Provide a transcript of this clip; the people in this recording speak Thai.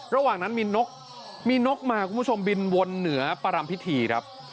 ระหว่างนั้นมีนกมีนกมาคุณผู้ชมบินวนเหนือประรำพิธีครับ